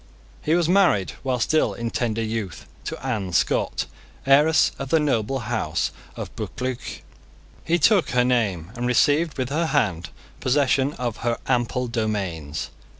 He was married, while still in tender youth, to Anne Scott, heiress of the noble house of Buccleuch. He took her name, and received with her hand possession of her ample domains.